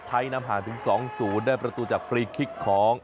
นำห่างถึง๒๐ได้ประตูจากฟรีคิกของ